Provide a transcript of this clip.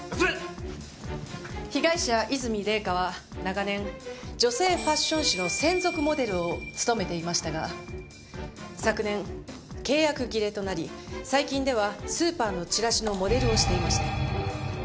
被害者和泉礼香は長年女性ファッション誌の専属モデルを務めていましたが昨年契約切れとなり最近ではスーパーのチラシのモデルをしていました。